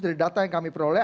dari data yang kami peroleh